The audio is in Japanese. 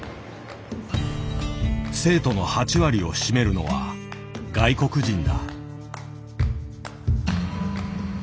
生徒の８割を占めるのは外国人だ。